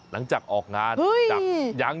หลังจากออกงานจากยัง